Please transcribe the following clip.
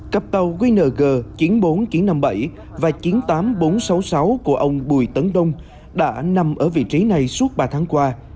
cặp tàu qng chín mươi bốn nghìn chín trăm năm mươi bảy và chín mươi tám nghìn bốn trăm sáu mươi sáu của ông bùi tấn đông đã nằm ở vị trí này suốt ba tháng qua